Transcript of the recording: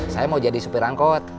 saya mau jadi supir angkot